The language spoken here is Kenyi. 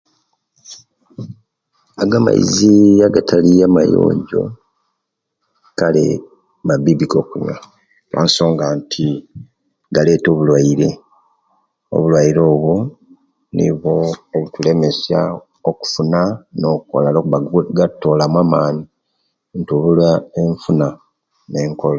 Ago amaizi agatali amayonjo, kale, mabiibi gokunywa olw'ensonga nti galeeta obulwaire; Obulwaire obwo, nibwo obutulemesya okufuna no'kola, olwokuba, gatutoolamu amaani, nitubula enfuna nee.....